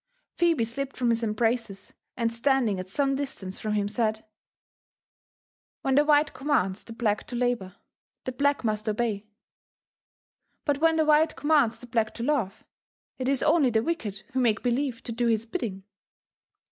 Phebe slipped from his embraces, and standing at some distance from him, said —When the white commands the black to labour, the black must 74 LIFE AND ADVENlURBS OF obey ;* bQt when the white commands the black to love, it is only the wicked who make believe to do his bidding.